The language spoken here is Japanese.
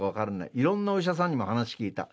いろんなお医者さんにも話聞いた。